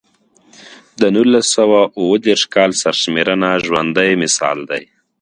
د نولس سوه اووه دېرش کال سرشمېرنه ژوندی مثال دی.